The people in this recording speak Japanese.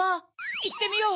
いってみよう！